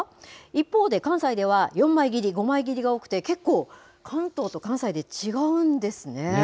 一方で関西では４枚切り、５枚切りが多くて、結構、関東と関西で違うんですね。